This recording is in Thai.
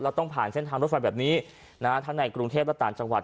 ไม่ต้องผ่านเส้นทางรถฝั่งแบบนี้ท่านในกรุงเทพฯและต่างจังหวัด